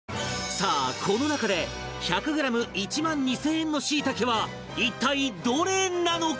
さあこの中で１００グラム１万２０００円のシイタケは一体どれなのか？